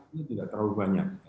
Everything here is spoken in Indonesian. ini tidak terlalu banyak